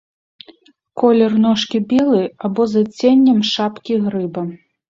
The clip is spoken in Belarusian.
Колер ножкі белы або з адценнем шапкі грыба.